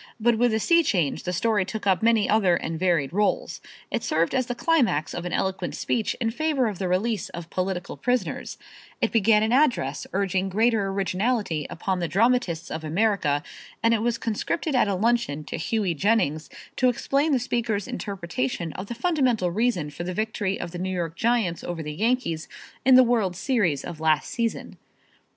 But with a sea change the story took up many other and varied rôles. It served as the climax of an eloquent speech in favor of the release of political prisoners; it began an address urging greater originality upon the dramatists of America and it was conscripted at a luncheon to Hughie Jennings to explain the speaker's interpretation of the fundamental reason for the victory of the New York Giants over the Yankees in the world's series of last season.